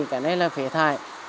cái này là phế thải